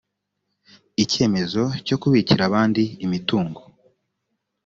icyemezo cyo kubikira abandi imitungo